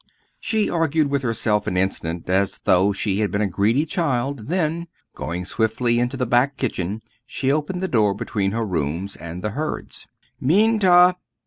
She argued with herself an instant as though she had been a greedy child, then, going swiftly into the back kitchen, she opened the door between her rooms and the Hurds. "Minta!"